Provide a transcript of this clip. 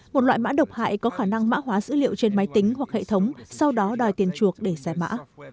một loại mã độc hại có khả năng mã hóa dữ liệu trên máy tính hoặc hệ thống sau đó đòi tiền chuộc để giải mã